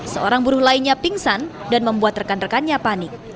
seorang buruh lainnya pingsan dan membuat rekan rekannya panik